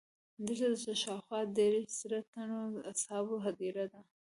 دلته د شاوخوا دېرش زره تنو اصحابو هدیره ده.